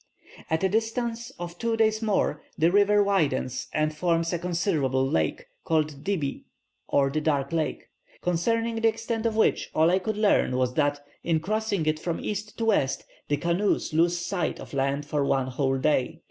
At a distance of two days' more, the river widens and forms a considerable lake, called Dibby (or the dark lake), concerning the extent of which, all I could learn was that, in crossing it from east to west, the canoes lose sight of land for one whole day.